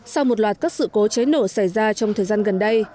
sau một loạt các sự cố cháy nổ xảy ra trong thời gian gần đây